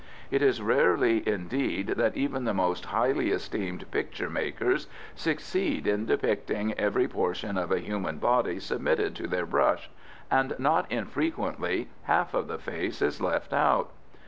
It is rarely, indeed, that even the most highly esteemed picture makers succeed in depicting every portion of a human body submitted to their brush, and not infrequently half of the face is left out.